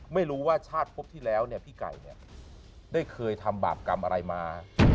ไม่รู้ว่าชาติพบที่แล้วเนี่ยพี่ไก่เนี่ยได้เคยทำบาปกรรมอะไรมา